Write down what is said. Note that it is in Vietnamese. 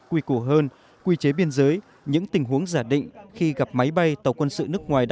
quy củ hơn quy chế biên giới những tình huống giả định khi gặp máy bay tàu quân sự nước ngoài đã